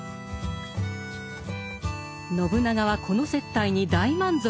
信長はこの接待に大満足だった。